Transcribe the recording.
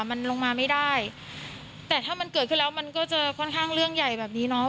มันลงมาไม่ได้แต่ถ้ามันเกิดขึ้นแล้วมันก็จะค่อนข้างเรื่องใหญ่แบบนี้เนาะ